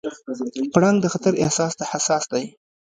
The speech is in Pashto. پړانګ د خطر احساس ته حساس دی.